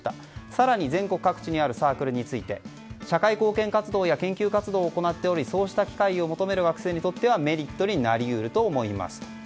更に全国各地にあるサークルについて社会貢献活動や研究活動を行っておりそうした機会を求める学生にとってはメリットになり得ると思いますと。